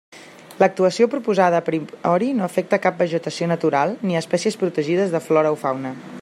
L'actuació proposada a priori no afecta cap vegetació natural, ni a espècies protegides de flora o fauna.